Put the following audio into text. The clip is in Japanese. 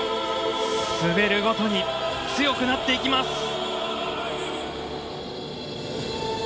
滑るごとに強くなっていきます。